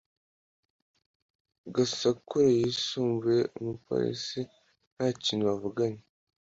Gasakure yasumiye umupolisi nta kintu bavuganye